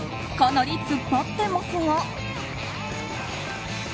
かなりツッパってますが。